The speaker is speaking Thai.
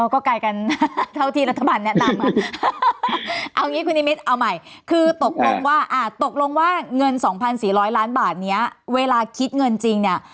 ก็ไกลกันเท่าที่รัฐบาลเนี่ยตามมาคุณนิมิตย์เอาใหม่คือตกลงว่าเงิน๒๔๐๐ล้านบาทเนี่ยเวลาคิดเงินจริงเนี่ย